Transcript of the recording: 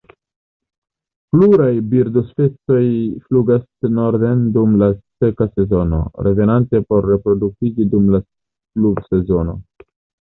Pluraj birdospecioj flugas norden dum la seka sezono, revenante por reproduktiĝi dum la pluvsezono.